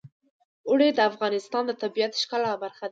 اوړي د افغانستان د طبیعت د ښکلا برخه ده.